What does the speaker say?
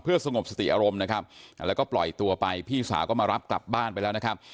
สงบสติอารมณ์นะครับแล้วก็ปล่อยตัวไปพี่สาวก็มารับกลับบ้านไปแล้วนะครับ